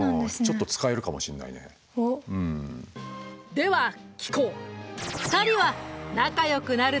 では聞こう。